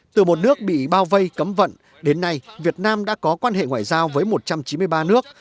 từ một nước bị bao vây cấm vận đến nay việt nam đã có quan hệ ngoại giao với một trăm chín mươi ba nước